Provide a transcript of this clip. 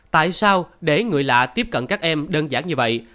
tại sao để người lạ tiếp cận các em đơn giản như vậy